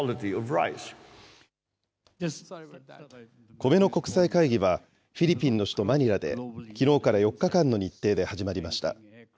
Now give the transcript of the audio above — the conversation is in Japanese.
コメの国際会議はフィリピンの首都マニラで、きのうから４日間の日程で始まりました。